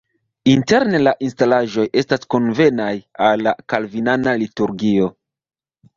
Interne la instalaĵoj estas konvenaj al la kalvinana liturgio.